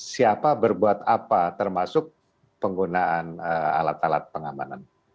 siapa berbuat apa termasuk penggunaan alat alat pengamanan